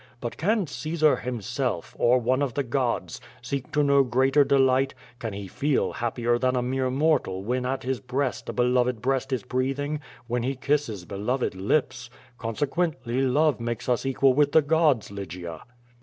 But can Caesar, himself, or one of the gods, seek to know greater delight, can he feel happier than a mere mortal when at his breast a beloved breast is breath ing, when he kisses beloved lips. Consequently loves makes us equal with the gods, Lygia.''